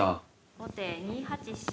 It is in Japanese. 後手２八飛車。